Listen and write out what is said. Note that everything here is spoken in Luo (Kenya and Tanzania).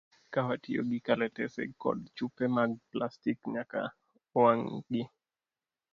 Ka watiyo gi kalatese kod chupe mag plastik, nyaka wang' gi.